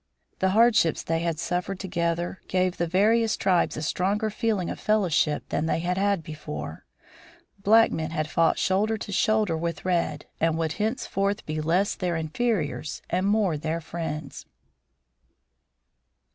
The hardships they had suffered together gave the various tribes a stronger feeling of fellowship than they had had before. Black men had fought shoulder to shoulder with red, and would henceforth be less their inferiors and more their friends. IV.